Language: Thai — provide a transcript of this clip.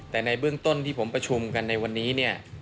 แต่ในเบื้องต้นที่ผมประชุมกันในวันนี้เนี่ย